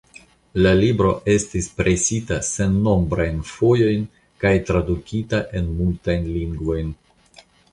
La libro estis presita sennombrajn fojojn kaj tradukita en multajn lingvojn.